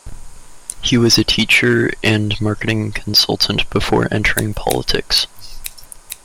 He was a teacher and marketing consultant before entering politics.